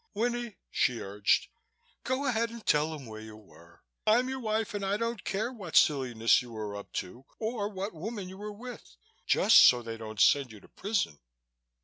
"Winnie," she urged, "go ahead and tell him where you were. I'm your wife and I don't care what silliness you were up to or what woman you were with, just so they don't send you to prison."